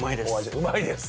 うまいです。